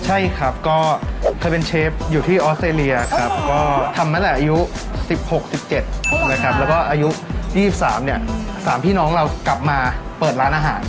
ใช่ครับก็เคยเป็นเชฟอยู่ที่ออสเตรเลียครับก็ทำตั้งแต่อายุ๑๖๑๗นะครับแล้วก็อายุ๒๓เนี่ย๓พี่น้องเรากลับมาเปิดร้านอาหาร